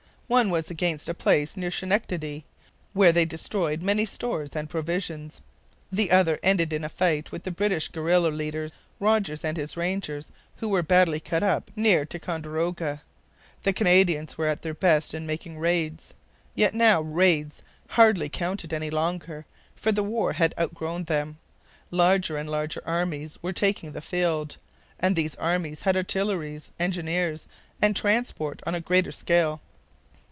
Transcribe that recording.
One was against a place near Schenectady, where they destroyed many stores and provisions. The other ended in a fight with the British guerilla leader Rogers and his rangers, who were badly cut up near Ticonderoga. The Canadians were at their best in making raids. Yet now raids hardly counted any longer, for the war had outgrown them. Larger and larger armies were taking the field, and these armies had artillery, engineers, and transport on a greater scale.